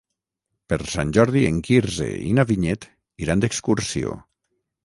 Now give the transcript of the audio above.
Per Sant Jordi en Quirze i na Vinyet iran d'excursió.